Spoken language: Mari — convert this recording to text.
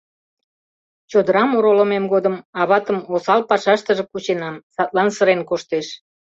— Чодырам оролымем годым аватым осал пашаштыже кученам, садлан сырен коштеш.